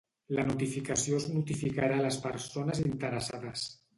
La notificació es notificarà a les persones interessades.